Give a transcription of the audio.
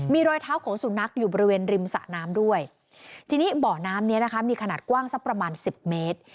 มีรอยเท้าของสุนัขอยู่บริเวณริมสะน้ำด้วยทีนี้บ่อน้ำเนี้ยนะคะมีขนาดกว้างสักประมาณสิบเมตร